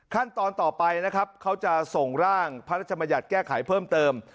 ขั้นตอนต่อไปนะครับเขาจะส่งร่างพระราชมัญญัติแก้ไขเพิ่มเติม